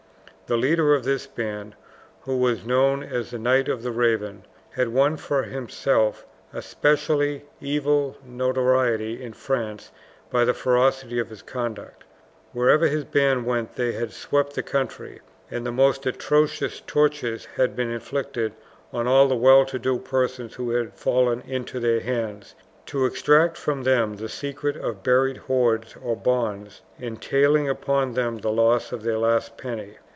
The leader of this band, who was known as the Knight of the Raven, had won for himself a specially evil notoriety in France by the ferocity of his conduct. Wherever his band went they had swept the country, and the most atrocious tortures had been inflicted on all well to do persons who had fallen into their hands, to extract from them the secret of buried hoards or bonds, entailing upon them the loss of their last penny.